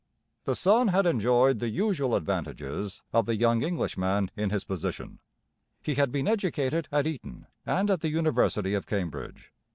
The son had enjoyed the usual advantages of the young Englishman in his position. He had been educated at Eton and at the university of Cambridge.